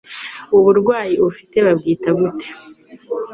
Uburwayi ufite babwita gute